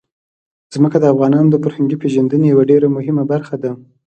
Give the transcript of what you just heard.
ځمکه د افغانانو د فرهنګي پیژندنې یوه ډېره مهمه برخه ده.